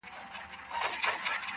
• چړي حاکم سي پر بندیوان سي -